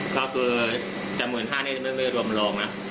ก็คือจะหมื่นห้านี่จะไม่รวมลงนะ